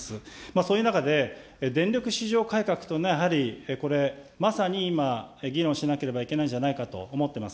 そういう中で、電力市場改革というのはやっぱりこれ、まさに今、議論しなければいけないんじゃないかと思ってます。